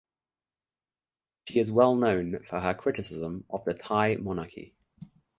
She is well known for her criticism of the Thai monarchy.